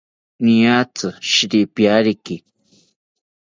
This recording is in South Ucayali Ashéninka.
Niatzi shiripiyariki